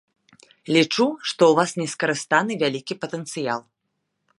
Лічу, што ў вас не скарыстаны вялікі патэнцыял.